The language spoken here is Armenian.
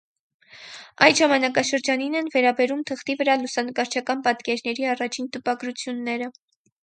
Այդ ժամանակաշրջանին են վերաբերում թղթի վրա լուսանկարչական պատկերների առաջին տպագրությունները։